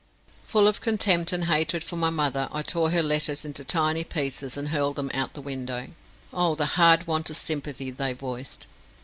Full of contempt and hatred for my mother, I tore her letters into tiny pieces and hurled them out the window. Oh, the hard want of sympathy they voiced!